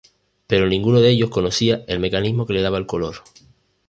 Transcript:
Pero ninguno de ellos conocía el mecanismo que le daba el color.